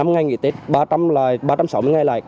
năm ngày nghỉ tết ba trăm sáu mươi ngày lại